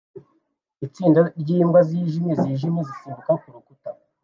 itsinda ryimbwa zijimye zijimye zisimbuka kurukuta